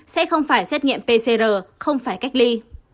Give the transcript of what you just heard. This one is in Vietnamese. sẽ không phải xét nghiệm pcr không phải cách ly